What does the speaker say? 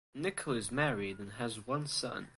Nicholl is married and has one son.